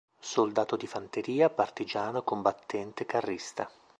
Soldato di Fanteria, Partigiano combattente, carrista